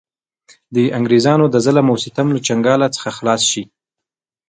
د انګرېزانو د ظلم او ستم له چنګاله څخه خلاص شـي.